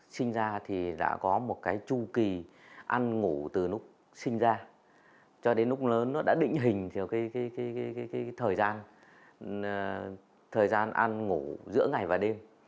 sinh ra thì đã có một cái chu kỳ ăn ngủ từ lúc sinh ra cho đến lúc lớn nó đã định hình theo cái thời gian thời gian ăn ngủ giữa ngày và đêm